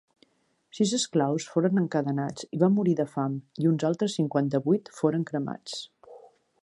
Sis esclaus foren encadenats i va morir de fam i uns altres cinquanta-vuit foren cremats.